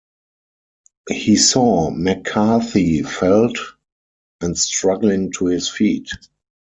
He saw Mccarthy felled, and struggling to his feet.